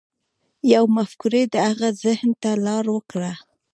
يوې مفکورې د هغه ذهن ته لار وکړه.